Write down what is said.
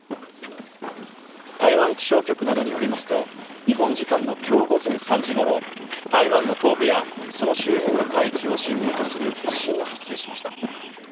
台湾気象局などによりますと、日本時間のきょう午前３時ごろ、台湾の東部やその周辺の海域を震源とする地震が発生しました。